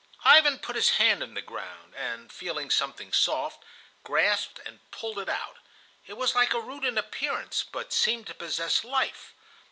Ivan put his hand in the ground, and, feeling something soft, grasped and pulled it out. It was like a root in appearance, but seemed to possess life.